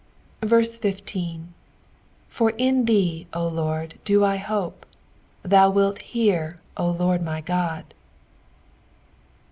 1 5 For in thee, O Lord, do I hope ; thou wilt hear, O Lord my God.